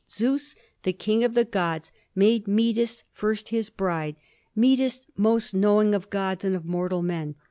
"Zeus, the king of the gods, made Metis first his bride Metis, most knowing of gods and of mortal men.